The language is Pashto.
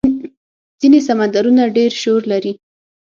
ځینې سمندرونه ډېر شور لري.